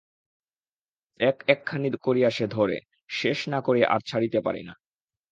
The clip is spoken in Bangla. এক-একখানি করিয়া সে ধরে, শেষ না করিয়া আর ছড়িতে পারে না।